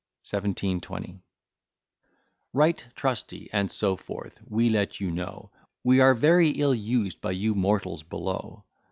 1720 Right Trusty, and so forth we let you know We are very ill used by you mortals below.